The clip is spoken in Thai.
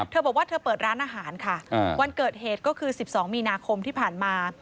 เธอบอกว่าเธอเปิดร้านอาหารค่ะวันเกิดเหตุก็คือ๑๒มีนาคมที่ผ่านมา